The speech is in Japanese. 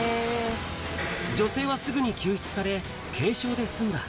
女性はすぐに救出され、軽傷で済んだ。